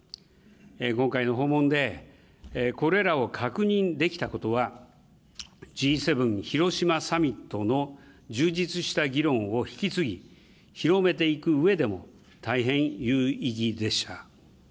今回の訪問で、これらを確認できたことは、Ｇ７広島サミットの充実した議論を引き継ぎ、広めていくうえでも大変有意義でした。